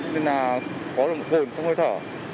nên là có nồng độ cồn trong hơi thở